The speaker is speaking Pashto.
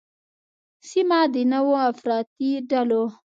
سیمه د نوو افراطي ډلو